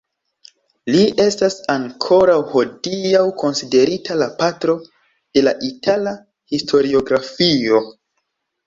Li estas ankoraŭ hodiaŭ konsiderita la patro de la itala historiografio.